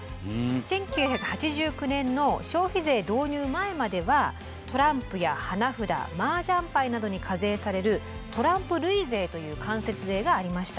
１９８９年の消費税導入前まではトランプや花札マージャンパイなどに課税される「トランプ類税」という間接税がありました。